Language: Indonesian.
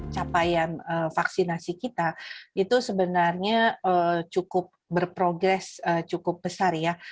capaian vaksinasi kita itu sebenarnya cukup berprogres cukup besar ya